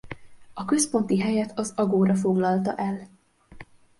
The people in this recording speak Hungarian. A központi helyet az agora foglalta el.